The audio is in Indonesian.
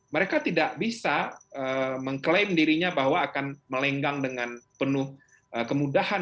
mereka tidak bisa mengklaim dirinya bahwa akan melenggang dengan penuh kemudahan